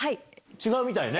違うみたいね。